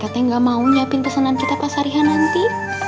kalau enggak mereka teh gak mau nyiapin pesanan kita pasarihan nanti